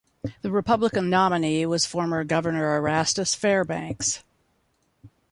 The Republican nominee was former Governor Erastus Fairbanks.